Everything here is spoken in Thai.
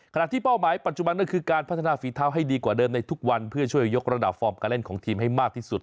ที่เป้าหมายปัจจุบันก็คือการพัฒนาฝีเท้าให้ดีกว่าเดิมในทุกวันเพื่อช่วยยกระดับฟอร์มการเล่นของทีมให้มากที่สุด